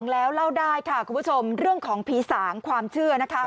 แล้วเล่าได้ค่ะคุณผู้ชมเรื่องของผีสางความเชื่อนะคะ